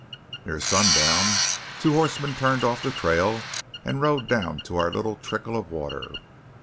Near sundown two horsemen turned off the trail and rode down to our little trickle of water.